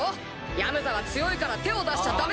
ヤムザは強いから手を出しちゃダメ。